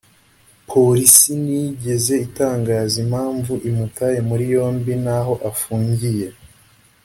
polisi ntiyigeze itangaza impamvu imutaye muri yombi n’aho afungiye